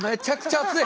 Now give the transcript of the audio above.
熱い！